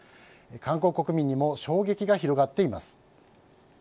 韓国国民にも衝撃が広がっています。